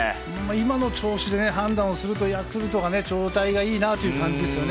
今の調子で判断をするとヤクルトが状態がいいなという感じですね。